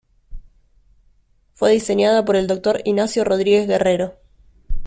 Fue diseñada por el Dr. Ignacio Rodríguez Guerrero.